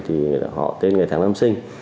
thì họ tên ngày tháng năm sinh